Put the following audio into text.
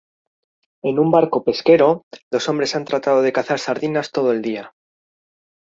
En un barco Pesquero, dos hombres han tratado de cazar sardinas todo el día.